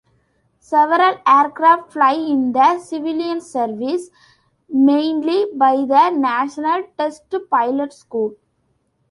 Several aircraft fly in the civilian service, mainly by the National Test Pilot School.